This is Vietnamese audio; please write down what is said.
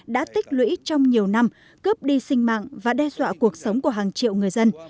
đã tích lũy trong nhiều năm cướp đi sinh mạng và đe dọa cuộc sống của hàng triệu người dân